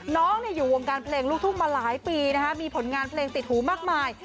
น้องอยู่วงการเพลงลูกทุ่งมาหลายปีนะคะมีผลงานเพลงติดหูมากมาย